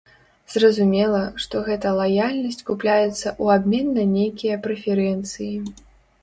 Зразумела, што гэта лаяльнасць купляецца ў абмен на нейкія прэферэнцыі.